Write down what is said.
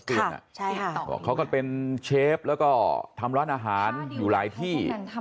บอกเขาก็เป็นเชฟแล้วก็ทำร้านอาหารอยู่หลายที่